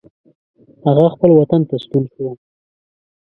هغه خپل وطن ته ستون شو.